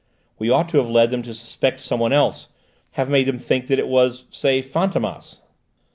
"We ought to have led them to suspect someone else: have made them think that it was, say, Fantômas."